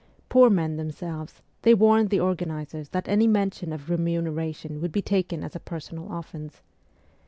Poor men themselves, they warned the organizers that any mention of remuneration would be taken as a personal offence.